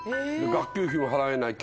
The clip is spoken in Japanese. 学級費も払えない。